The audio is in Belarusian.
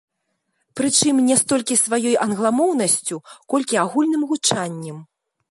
Прычым не столькі сваёй англамоўнасцю, колькі агульным гучаннем.